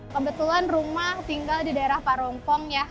kebetulan rumah tinggal di daerah parongpong ya